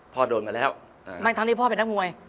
พ่อโดนมาแล้วไม่ทั้งที่พ่อเป็นนักมวย